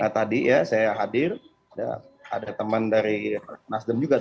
tadi ya saya hadir ada teman dari nasdem juga